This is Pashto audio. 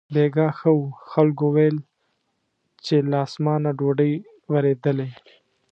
بېګاه ښه و، خلکو ویل چې له اسمانه ډوډۍ ورېدلې.